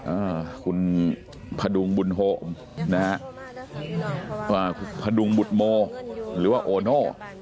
อ่าคุณพดุงบุญโฮนะฮะพดุงบุฎโมหรือว่าโอนโฮ